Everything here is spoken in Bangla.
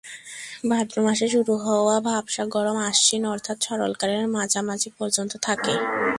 ভাদ্র মাসে শুরু হওয়া ভ্যাপসা গরম আশ্বিন, অর্থাৎ শরৎকালের মাঝামাঝি পর্যন্ত থাকে।